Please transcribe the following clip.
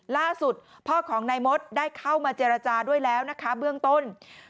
ล่าสุดพ่อของนายมดได้เข้ามาเจรจาด้วยแล้วนะคะเบื้องต้น